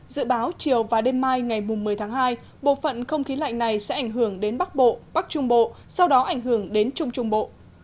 dự báo chiều và đêm mai ngày một mươi tháng hai bộ phận không khí lạnh này sẽ ảnh hưởng đến bắc bộ bắc trung bộ sau đó ảnh hưởng đến trung trung bộ